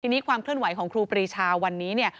ทีนี้ความเคลื่อนไหวของครูปรีชาวันนี้เนี่ย